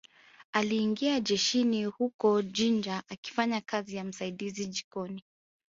Aliingia jeshini huko Jinja akifanya kazi ya msaidizi jikoni